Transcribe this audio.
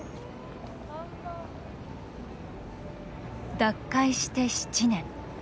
脱会して７年。